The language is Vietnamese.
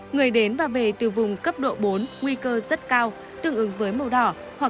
người đến và về từ vùng cấp độ bốn nguy cơ rất cao tương ứng với màu đỏ hoặc